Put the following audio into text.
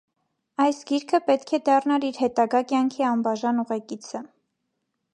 Այս գիրքը պետք է դառնար իր հետագա կյանքի անբաժան ուղեկիցը։